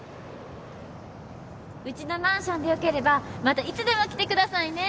うちのマンションでよければまたいつでも来てくださいね。